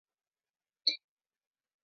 Hentikan!